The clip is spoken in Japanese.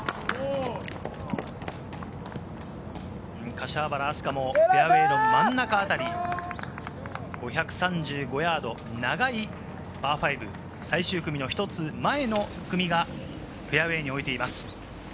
柏原明日架もフェアウエーの真ん中あたり、５３５ヤード、長いパー５、最終組の１つ前の組がフェアウエーに置いています。